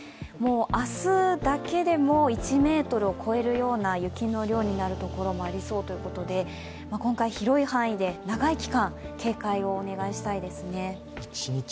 明日だけでも１ｍを超えるような雪の量になるところもありそうということで今回広い範囲で長い期間警戒をお願いしたいですね。